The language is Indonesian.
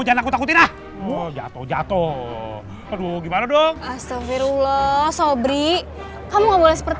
jumlahmu jatuh jatuh aduh gimana alsafirullah soleri kamu boleh